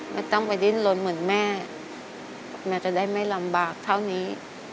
ไม่ต้องไปดิ้นลนเหมือนแม่แม่จะได้ไม่ลำบากเท่านี้